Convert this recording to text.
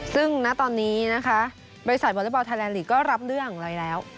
ซึ่งณตอนนี้นะคะบริษัทวอเล็กบอลไทยแลนลีกก็รับเรื่องอะไรแล้ว